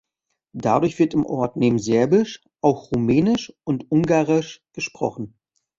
Dadurch wird im Ort neben Serbisch auch Rumänisch und Ungarisch gesprochen.